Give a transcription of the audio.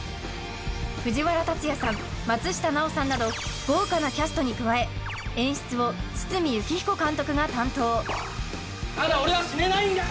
藤原竜也さん松下奈緒さんなど豪華なキャストに加え演出を堤幸彦監督が担当まだ俺は死ねないんだ！